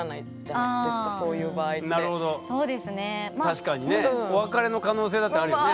確かにねお別れの可能性だってあるよね。